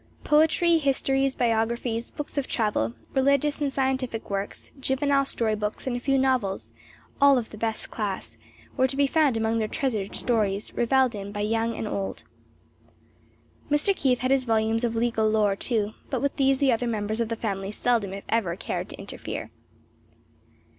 Poetry, histories, biographies, books of travel, religious and scientific works, juvenile story books and a few novels, all of the best class, were to be found among their treasured stores, reveled in by old and young. Mr. Keith had his volumes of legal lore too, but with these the other members of the family seldom if ever cared to interfere.